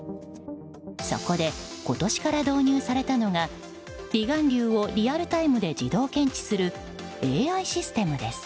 そこで、今年から導入されたのが離岸流をリアルタイムで自動検知するＡＩシステムです。